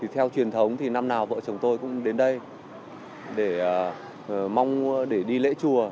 theo truyền thống thì năm nào vợ chồng tôi cũng đến đây để đi lễ chùa